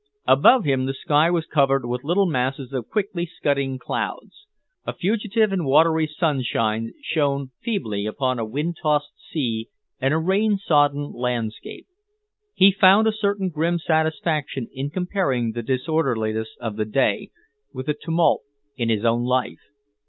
Above him, the sky was covered with little masses of quickly scudding clouds. A fugitive and watery sunshine shone feebly upon a wind tossed sea and a rain sodden landscape. He found a certain grim satisfaction in comparing the disorderliness of the day with the tumult in his own life.